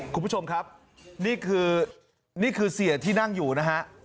คุณผู้ชมครับนี่คือนี่คือเสียที่นั่งอยู่นะฮะ